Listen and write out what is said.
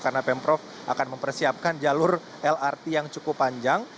karena pemprov akan mempersiapkan jalur lrt yang cukup panjang